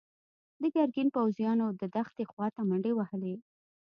د ګرګين پوځيانو د دښتې خواته منډې وهلي.